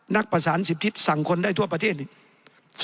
นักประสาน๑๐ทิศสั่งคนได้ทั่วประเทศนี่